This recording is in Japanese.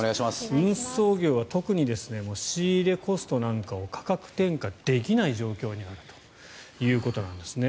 運送業は特に仕入れコストなんかを価格転嫁できない状況にあるということなんですね。